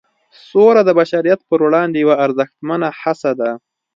سوله د بشریت پر وړاندې یوه ارزښتمنه هڅه ده.